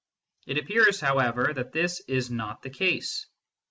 It appears, however, that this is not the case.